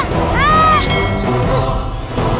lebih baik jangan dar align nya